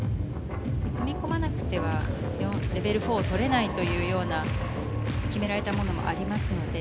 組み込まなくてはレベル４を取れないというような決められたものもありますので